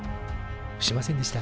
しませんでした。